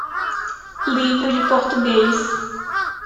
Livro de Português.